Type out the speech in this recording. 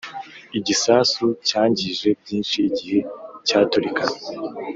igisasu cyangije byinshi igihe cyaturikaga